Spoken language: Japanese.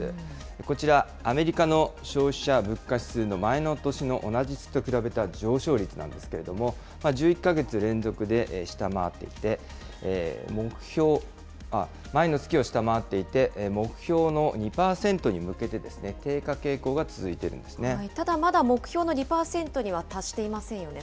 こちら、アメリカの消費者物価指数の前の年の同じ月と比べた上昇率なんですけれども、１１か月連続で下回っていて、前の月を下回っていて、目標の２％に向けて、低下傾向が続いていただ、まだ目標の２％には達していませんよね。